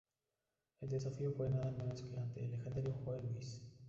El desafío fue nada menos que ante el legendario Joe Louis.